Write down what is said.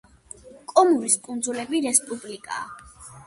კომორის კუნძულები რესპუბლიკაა.